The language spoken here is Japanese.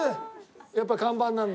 やっぱ看板なんで。